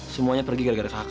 semuanya pergi gara gara kakak